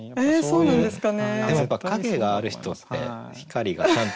そうなんですかね。